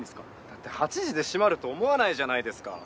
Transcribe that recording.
だって８時で閉まると思わないじゃないですか。